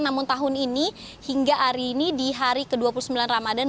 namun tahun ini hingga hari ini di hari ke dua puluh sembilan ramadhan